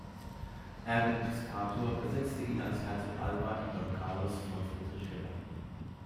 Erwin Piscator besetzte ihn als Herzog Alba in "Don Karlos" von Friedrich Schiller.